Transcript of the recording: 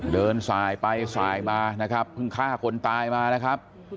เดินสายไปสายมานะครับเพิ่งฆ่าคนตายมานะครับ